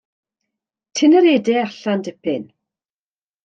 Tyn yr ede allan dipyn.